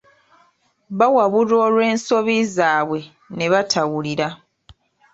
Bawabulwa olw'ensobi zaabwe ne batawulira.